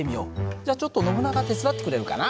じゃちょっとノブナガ手伝ってくれるかな。